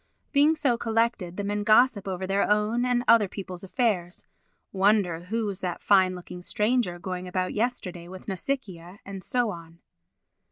Being so collected the men gossip over their own and other people's affairs—wonder who was that fine looking stranger going about yesterday with Nausicaa, and so on.